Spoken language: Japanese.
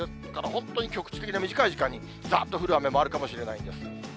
本当に局地的な短い時間にざっと降る雨もあるかもしれないんです。